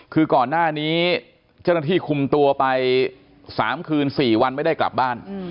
คือก่อนหน้านี้เจ้าหน้าที่คุมตัวไป๓คืน๔วันไม่ได้กลับบ้าน